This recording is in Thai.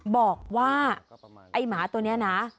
บอกว่าไอ้หมาตัวนี้นะ